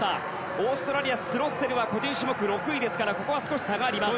オーストラリア、スロッセルは個人種目６位ですからここは少し差があります。